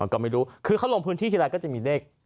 ก็ไม่รู้คือเขาลงพื้นที่ทีไรก็จะมีเลข